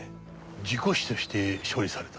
事故死として処理された。